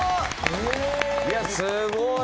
すごい。